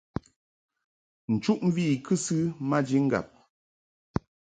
Nchuʼmvi i kɨsɨ maji ŋgab.